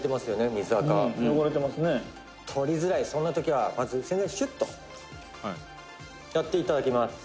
横尾：「取りづらいそんな時はまず、洗剤をシュッとやって頂きます」